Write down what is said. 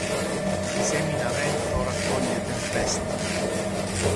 Chi semina vento raccoglie tempesta.